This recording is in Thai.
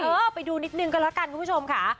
เออไปดูนิดนึงก็แล้วกันคุณผู้ชมค่ะ